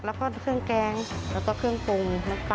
แล้วก็เครื่องแกงแล้วก็เครื่องปรุง